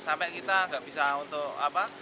sampai kita nggak bisa untuk apa